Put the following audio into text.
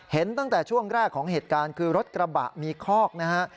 เห็นตั้งแต่ช่วงแรกของเหตุการณ์คือรถกระบะมีคอกนะฮะ